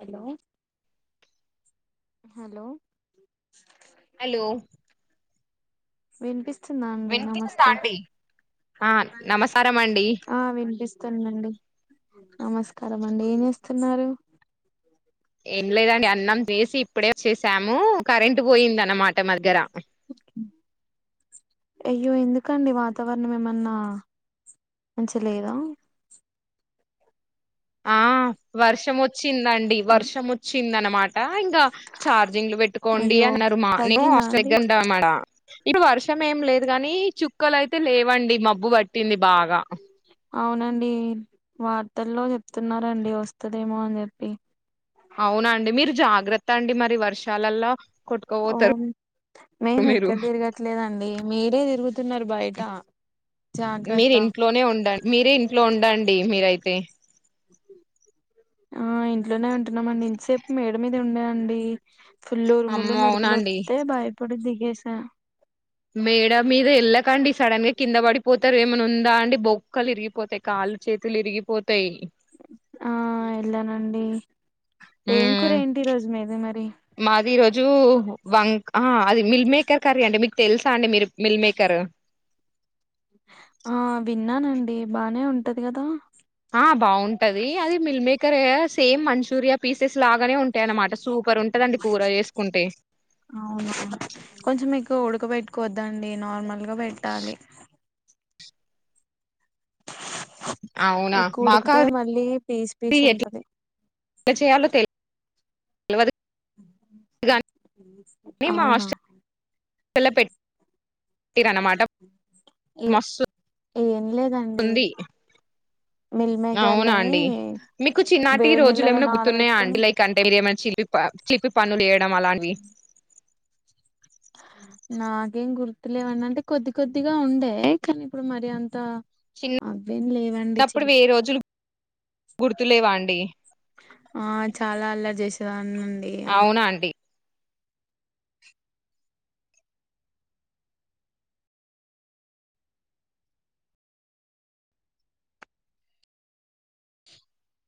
hello hello hello వినిపిస్తుందా అండి వినిపిస్తుందా నమస్తే అండి ఆ నమస్కారం అండి ఆ వినిపిస్తుండండి నమస్కారం అండి ఏం చేస్తున్నారు ఏం లేదండి అన్నం వేసి ఇప్పుడే వచ్చేసాము కరెంట్ పోయింది అన్నమాట మా దగ్గర అయ్యో ఎందుకండి వాతావరణం ఏమన్నా మంచి లేదా ఆ వర్షం వచ్చిందండి వర్షం వచ్చిందన ఇంకా చార్జింగ్లు పెట్టుకోండి అయ్యో అన్నారు మా నేను తగ్గిందా అండి ఆసగ్గా ఉంటామాడ ఇప్పు వర్షం ఏం లేదు కానీ చుక్కలుయితే లేవండి మబ్బు పట్టింది బాగా అవునండి వార్తల్లో చెప్తున్నారంండి వస్తుదేమో అని చెప్పి అవునాండి మీరు జాగ్రత్త అండి మరి వర్షాలలో ఓ కొట్టుకోబతారు మేము ఎక్కడ తిరగట్లేదండి మీరే తిరుగుతున్నారు బయట మీరు జాగ్రత్త ఇంట్లోనే ఉండండి మీరే ఇంట్లో ఉండండి మీరైతే ఆ ఇంట్లోనే ఉంటున్నామండి ఇంతసేపు మేడ మీద ఉండేయంండి ఫుల్లు ఉరుములు అమ్మో అవునండి మెరుపులొస్తే భయపడి దిగసా మేడ మీద వెళ్ళకండి సడన్ గా కింద పడిపోతారు ఏమై ఉందా అండి బొక్కలు విరిగిపోతాయి కా వాళ్ళు చేతులు విరిగిపోతాయి ఆ ఎళ్లానండి హ మరి మాది రోజు వం ఆ అది మిల్ మేకర్ కారు అండి మీకు తెలుసా అండి మీరు మిల్ మేకర్ ఆ విన్నానండి బానే ఉంటది కదా ఆ బాగుంటది అది మిల్క్ మేకరే సేమ్ మంచూరియా పీసెస్ లాగానే ఉంటాయి అన్నమాట సూప్ సూపర్ ఉంటదండి కూర చేసుకుంటే వద్దండి నార్మల్గా పెట్టాలి అవునా ఎక్కువ మాకు ఉడుకుతే అది మళ్ళీ పీస్ పీస్ ఎట్లా ఉంటది చేయాలో తెల్వదు కానీ అవునా తెల పెట్ [unintelligible] టిర్ర అనమాట ఏ మస్త్ ఏం లేదండి మిల్ అవునా మికర్లనే అండి మీకు చిన్నటి రోజులు ఏమైనా గుర్తున్నాయా అండి లైక్ అంటే ఏమన్న చీల్ పిప్ప చిప్పి పనులు చెయడం అలాంటివి నాకేం గుర్తులేవండి అంటే కొద్ది కొద్దిగా ఉండే కనీ ఇప్పుడు మరి అంత అవేం లేవండి చిన్నప్పుడు చిలిపి ఏ రోజులు గుర్తులేవా అండి ఆ చాలా అల్లరి చేస్ అవునా అండి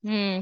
మ్మ్